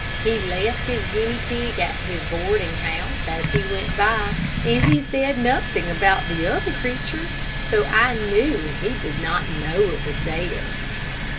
He left his guinea pig at his boarding house as he went by, but he said nothing about the other creature, so I knew he did not know it was there.